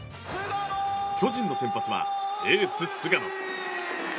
巨人の先発はエース菅野。